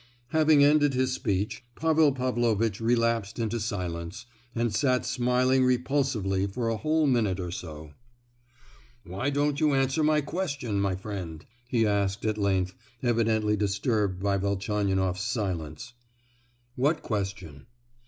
Having ended his speech, Pavel Pavlovitch relapsed into silence, and sat smiling repulsively for a whole minute or so. "Why don't you answer my question, my friend?" he asked, at length, evidently disturbed by Velchaninoff's silence. "What question?"